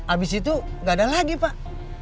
abis itu nggak ada lagi pak